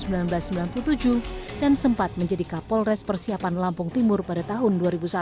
ia juga menjabat sebagai kapolres persiapan lampung timur pada tahun dua ribu satu